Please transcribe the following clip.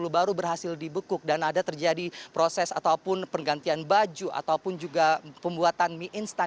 baru berhasil dibekuk dan ada terjadi proses ataupun penggantian baju ataupun juga pembuatan mie instan